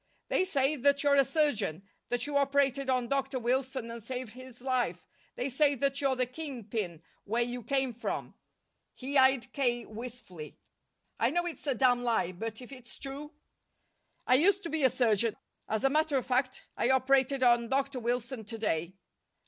"They say that you're a surgeon; that you operated on Dr. Wilson and saved his life. They say that you're the king pin where you came from." He eyed K. wistfully. "I know it's a damn lie, but if it's true " "I used to be a surgeon. As a matter of fact I operated on Dr. Wilson to day.